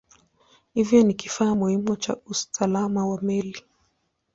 Hivyo ni kifaa muhimu cha usalama wa meli.